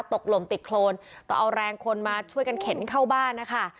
หล่มติดโครนต้องเอาแรงคนมาช่วยกันเข็นเข้าบ้านนะคะ